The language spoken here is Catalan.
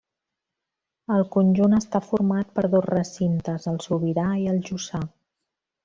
El conjunt està format per dos recintes, el Sobirà i el Jussà.